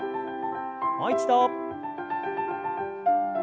もう一度。